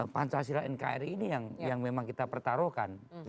pancasila nkri ini yang memang kita pertaruhkan